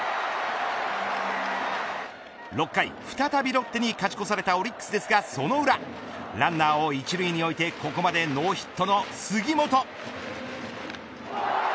６回、再びロッテに勝ち越されたオリックスですがその裏ランナーを一塁に置いてここまでノーヒットの杉本。